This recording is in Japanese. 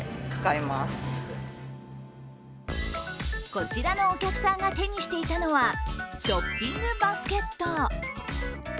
こちらのお客さんが手にしていたのはショッピングバスケット。